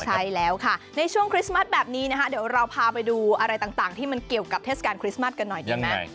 ใช่แล้วค่ะในช่วงคริสต์มัสแบบนี้นะคะเดี๋ยวเราพาไปดูอะไรต่างที่มันเกี่ยวกับเทศกาลคริสต์มัสกันหน่อยดีไหม